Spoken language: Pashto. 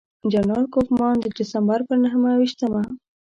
جنرال کوفمان د ډسمبر پر نهه ویشتمه.